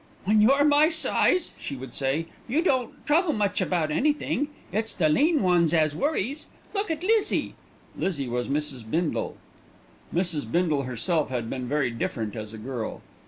"When you're my size," she would say, "you don' trouble much about anything. It's the lean ones as worries. Look at Lizzie." Lizzie was Mrs. Bindle. Mrs. Bindle herself had been very different as a girl.